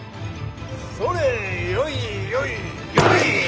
それよいよいよい！